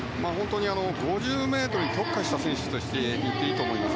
５０ｍに特化した選手といっていいと思います。